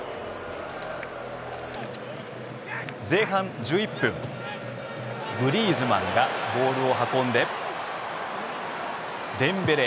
前半１１分グリーズマンがボールを運んでデンベレ。